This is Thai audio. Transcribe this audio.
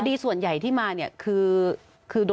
ดีส่วนใหญ่ที่มาเนี่ยคือ